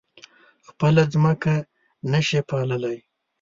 خپله ځمکه نه شي پاللی.